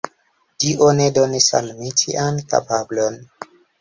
Dio ne donis al mi tian kapablon.